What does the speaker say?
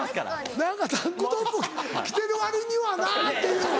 何かタンクトップ着てる割にはなぁっていう。